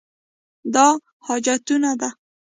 دا حاجتونه ده.